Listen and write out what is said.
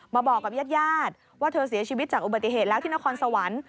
บอกกับญาติญาติว่าเธอเสียชีวิตจากอุบัติเหตุแล้วที่นครสวรรค์